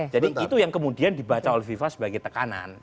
jadi itu yang kemudian dibaca oleh viva sebagai tekanan